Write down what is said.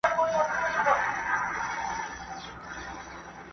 څه ژرنده پڅه، څه غنم لانده.